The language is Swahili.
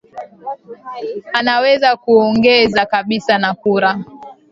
ameweza kuongoza kabisa na kura